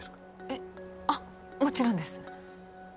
えっあっもちろんです